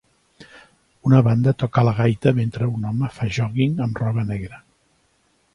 Una banda toca la gaita mentre un home fa jòguing amb roba negra